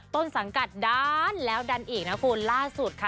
ต้นสังกัดดันแล้วดันอีกนะคุณล่าสุดค่ะ